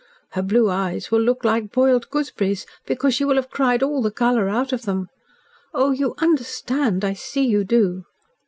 Her blue eyes will look like boiled gooseberries, because she will have cried all the colour out of them. Oh! You UNDERSTAND! I see you do."